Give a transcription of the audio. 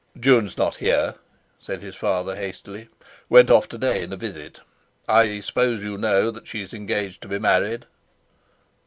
"Jun's not here," said his father hastily: "went off to day on a visit. I suppose you know that she's engaged to be married?"